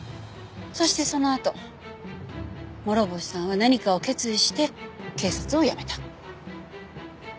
そしてそのあと諸星さんは何かを決意して警察を辞めた。